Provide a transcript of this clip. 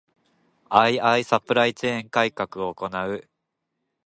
ⅱ サプライチェーン改革を行う